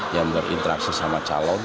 yang berinteraksi sama calon